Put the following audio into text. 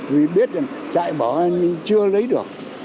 vì biết trại bảo an binh chưa lấy được